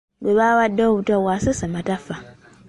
Gwe bawadde obutwa bw’asesema tafa.